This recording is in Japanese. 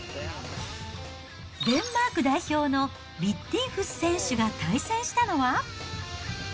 デンマーク代表のヴィッティンフス選手が対戦したのは。